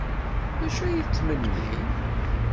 D acu ay ttmennin?